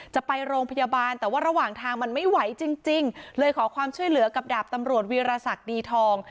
จะไปโรงพยาบาลแต่ว่าระหว่างทางมันไม่ไหวจริงจริงเลยขอความช่วยเหลือกับดาบตำรวจวีรศักดิ์ดีทอง